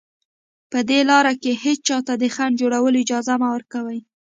په دې لاره کې هېچا ته د خنډ جوړولو اجازه مه ورکوئ